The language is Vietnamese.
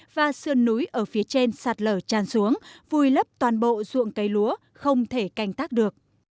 và sườn núi ở phía trên sạt lở tràn xuống vùi lấp toàn bộ ruộng cây lúa không thể canh tác được